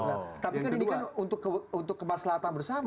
tapi ini kan untuk kemas latang bersama